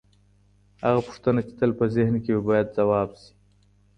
هغه پوښتنه چي تل په ذهن کي وي، بايد ځواب سي.